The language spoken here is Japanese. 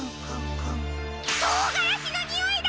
とうがらしのにおいだ！